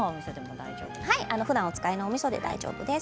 ふだんお使いのみそで大丈夫です。